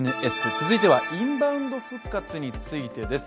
続いてはインバウンド復活についてです。